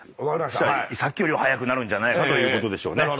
さっきよりは早くなるんじゃないかということでしょうね。